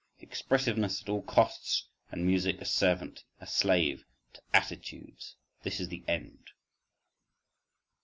… Expressiveness at all costs and music a servant, a slave to attitudes—this is the end.